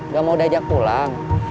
gak mau diajak pulang